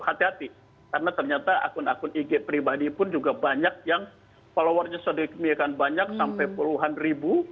hati hati karena ternyata akun akun ig pribadi pun juga banyak yang followernya sedemikian banyak sampai puluhan ribu